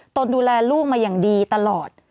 ดูแลลูกมาอย่างดีตลอด